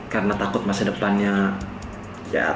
karena takut masa depannya ya takut